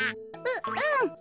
ううん。